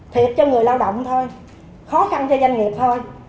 thiệt cho người lao động thôi khó khăn cho doanh nghiệp thôi